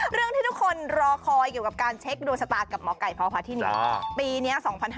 เรื่องที่ทุกคนรอคอยเกี่ยวกับการเช็คโดยสตากับหมอกไก่พรภาพที่นี่